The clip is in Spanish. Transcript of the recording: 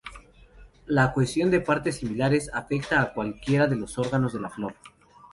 La cohesión de partes similares afecta a cualquiera de los órganos de la flor.